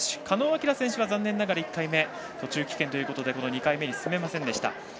狩野亮選手は残念ながら１回目で途中棄権ということで２回目に進めませんでした。